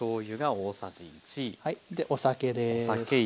でお酒です。